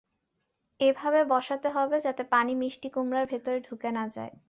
এমনভাবে বসাতে হবে যাতে পানি মিষ্টিকুমড়ার ভেতরে ঢুকে না যায়।